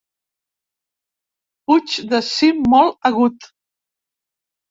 Puigs de cim molt agut.